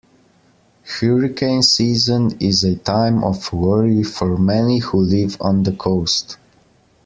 Hurricane season is a time of worry for many who live on the coast.